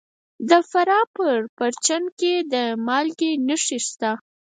د فراه په پرچمن کې د مالګې نښې شته.